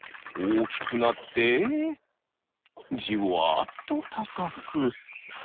おおきくなってじわっとたかく。